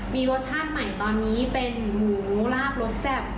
มีรสชาติใหม่ตอนนี้เป็นหมูลาบรสแซ่บ